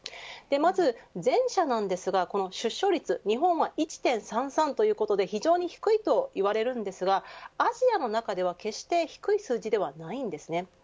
まず、前者なんですが出生率、日本は１．３３ということで非常に低いといわれるんですがアジアの中では決して低い数字ではないんです。